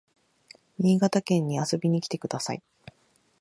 新潟県に遊びに来てください